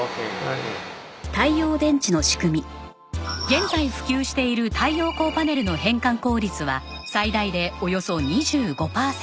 現在普及している太陽光パネルの変換効率は最大でおよそ２５パーセント。